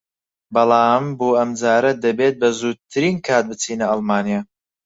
بەڵام بۆ ئەمجارە دەبێت بەزووترین کات بچینە ئەڵمانیا